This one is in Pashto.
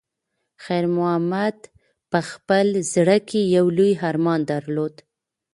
خیر محمد په خپل زړه کې یو لوی ارمان درلود.